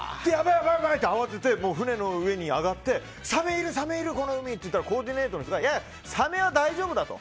やばい！って慌てて船の上に上がってサメいる、この海って言ったらコーディネーターの人がいやいや、サメは大丈夫だと。